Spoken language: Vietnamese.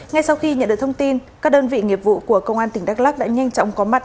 ngay sau khi nhận được thông tin các đơn vị nghiệp vụ của công an tỉnh đắk lắc đã nhanh chóng có mặt